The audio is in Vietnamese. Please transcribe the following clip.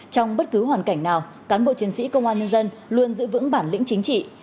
trong bất cứ hoàn cảnh nào cán bộ chiến sĩ công an nhân dân luôn giữ vững bản lĩnh chính trị